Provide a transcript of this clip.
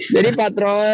jadi pak troy